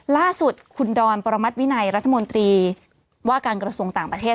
ล่าสุดคุณดอนปรมัติวินัยรัฐมนตรีว่าการกระทรวงต่างประเทศ